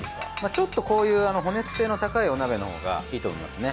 ちょっとこういう保熱性の高いお鍋のほうがいいと思いますね。